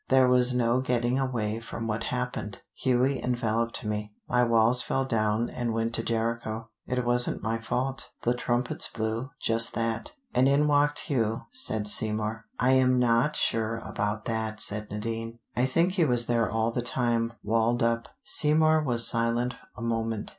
There was no getting away from what happened. Hughie enveloped me. My walls fell down, and went to Jericho. It wasn't my fault. The trumpets blew, just that." "And in walked Hugh," said Seymour. "I am not sure about that," said Nadine. "I think he was there all the time, walled up." Seymour was silent a moment.